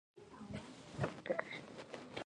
لال شاه پټان مخکې استازی وو.